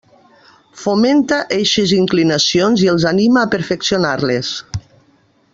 Fomenta eixes inclinacions i els anima a perfeccionar-les.